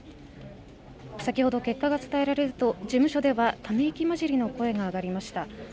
先ほど結果が伝えられる事務所ではため息まじりの声が上がりました。